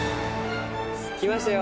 きましたよ。